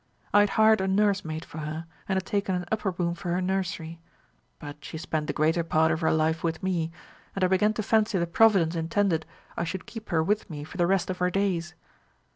I had hired a nursemaid for her, and had taken an upper room for her nursery; but she spent the greater part of her life with me, and I began to fancy that Providence intended I should keep her with me for the rest of her days.